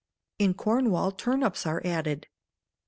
In Cornwall, turnips are added.